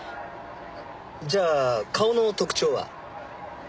じゃあ顔の特徴は？